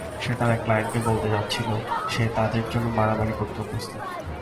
সে তার এক ক্লায়েন্টকে বলতে যাচ্ছিলো সে তাদের জন্য মারামারি করতেও প্রস্তুত।